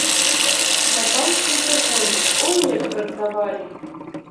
На панскім прыгоне, ой, як працавалі!